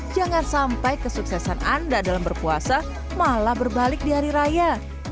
jangan sampai kesuksesan anda dalam berpuasa malah berbalik di hari raya